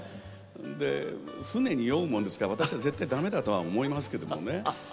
船に酔うものですから私は絶対だめだと思うんですけどね。